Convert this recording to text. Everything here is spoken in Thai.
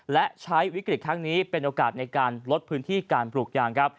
และใช้วิกฤตครั้งนี้เป็นโอกาสในการลดพื้นที่การปลูกยางครับ